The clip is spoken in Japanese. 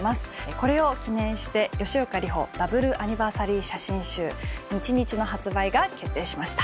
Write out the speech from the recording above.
これを記念して、吉岡里帆Ｗアニバーサリー写真集、日日の発売が決定しました。